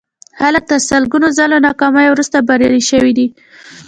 خلک تر سلګونه ځله ناکاميو وروسته بريالي شوي دي.